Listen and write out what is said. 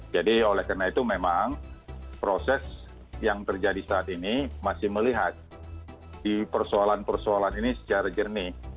jadi oleh karena itu memang proses yang terjadi saat ini masih melihat di persoalan persoalan ini secara jernih